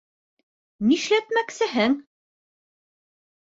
Нишләтмәксеһең?